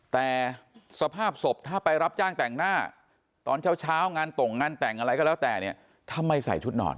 แต่สภาพศพถ้าไปรับจ้างแต่งหน้าตอนเช้างานตรงงานแต่งอะไรก็แล้วแต่เนี่ยทำไมใส่ชุดนอน